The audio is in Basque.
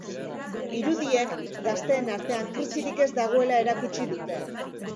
Irudiek gazteen artean krisirik ez dagoela erakutsi dute.